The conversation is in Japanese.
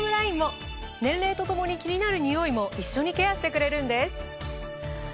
年齢とともに気になるニオイも一緒にケアしてくれるんです。